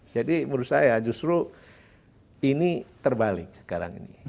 jadi menurut saya justru ini terbalik sekarang ini